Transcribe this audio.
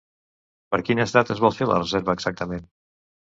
Per quines dates vol fer la reserva exactament?